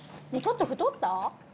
ちょっと太った？